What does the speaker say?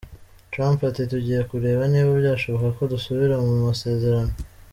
Trump ati “Tugiye kureba niba byashoboka ko dusubira mu masezerano.